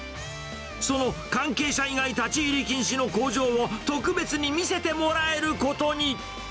その関係者以外立ち入り禁止の工場を特別に見せてもらえることに。